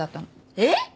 えっ！？